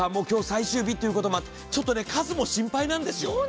今日最終日という事もあってちょっとね数も心配なんですよ。